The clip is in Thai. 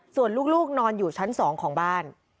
ส่วนลูกนอนอยู่ชั้น๒ของบ้าน